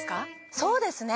そうですね。ね？